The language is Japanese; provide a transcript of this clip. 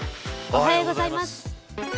おはようございます。